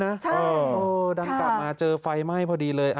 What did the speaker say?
ใช่ค่ะดังกลับมาเจอไฟไหม้พอดีเลย